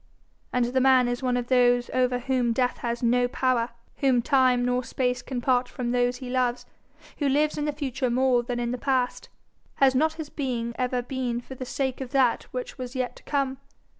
And the man is one of those over whom death has no power; whom time nor space can part from those he loves; who lives in the future more than in the past! Has not his being ever been for the sake of that which was yet to come?